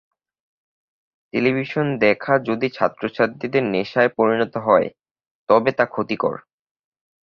Television দেখা যদি ছাত্রছাত্রীদের নেশায় পরিণত হয়, তবে তা ক্ষতিকর।